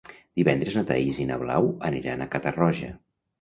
Divendres na Thaís i na Blau aniran a Catarroja.